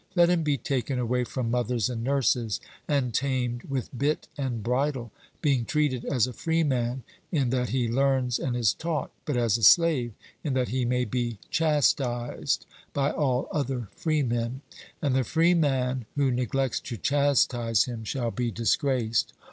Let him be taken away from mothers and nurses, and tamed with bit and bridle, being treated as a freeman in that he learns and is taught, but as a slave in that he may be chastised by all other freemen; and the freeman who neglects to chastise him shall be disgraced.